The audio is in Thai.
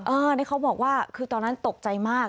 อันนี้เขาบอกว่าคือตอนนั้นตกใจมาก